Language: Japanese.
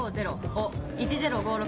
お１０−５６。